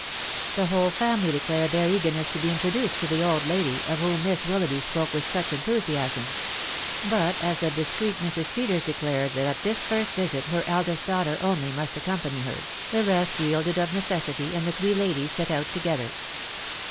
The whole family declared their eagerness to be introduced to the old lady, of whom Miss Willoughby spoke with such enthusiasm ; but as the discreet Mrs. Peters declared that at this first visit her eldest daughter only must accompany her; the rest yielded of necessity, and the three ladies set out together.